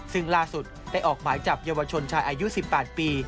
ซึ่งล่าสุดได้ออกหมายจับเยาวชนชายอายุ๑๘ปี